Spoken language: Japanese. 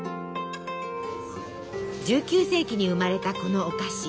１９世紀に生まれたこのお菓子。